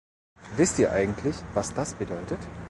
Wisst ihr eigentlich, was das bedeutet?